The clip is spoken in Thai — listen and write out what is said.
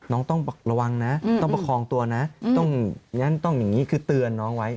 ต้องระวังนะต้องประคองตัวนะต้องงั้นต้องอย่างนี้คือเตือนน้องไว้